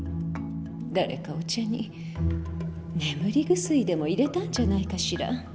誰かお茶に眠り薬でも入れたんじゃないかしら。